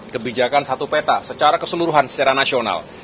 kebijakan satu peta secara keseluruhan secara nasional